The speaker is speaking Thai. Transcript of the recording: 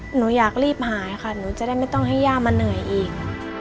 หนูอยากรีบหายค่ะหนูจะได้ไม่ต้องให้ย่ามาเหนื่อยอีก